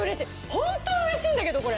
ホントうれしいんだけどこれ。